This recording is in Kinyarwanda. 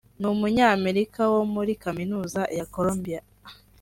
n’umunyamerika wo muri Kaminuza ya Colombia